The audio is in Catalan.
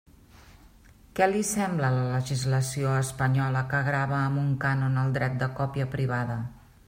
Què li sembla la legislació espanyola, que grava amb un cànon el dret de còpia privada?